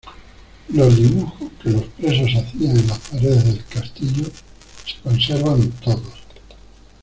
Los dibujos que los presos hacían en las paredes del castillo se conservan todos.